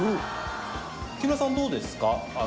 木村さんはどうですか？